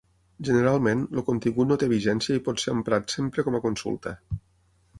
Generalment, el contingut no té vigència i pot ser emprat sempre com a consulta.